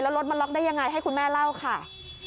แล้วรถมันล็อกได้ยังไงให้คุณแม่เล่าค่ะ